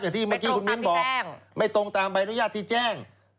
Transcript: ที่เมื่อกี้คุณมิ้นบอกไม่ตรงตามใบอนุญาตที่แจ้ง